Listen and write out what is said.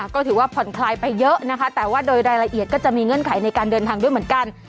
ก็ถือว่าผ่อนคลายไปเยอะนะคะแต่ว่าโดยรายละเอียดก็จะมีเงื่อนไขในการเดินทางด้วยเหมือนกัน